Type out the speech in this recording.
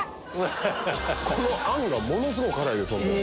このあんがものすごい辛いです。